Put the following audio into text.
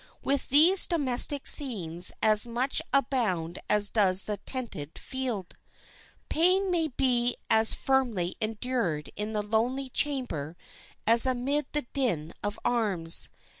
With these domestic scenes as much abound as does the tented field. Pain may be as firmly endured in the lonely chamber as amid the din of arms.